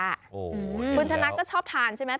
โอ้โฮเองแล้วคุณชะนักก็ชอบทานใช่ไหม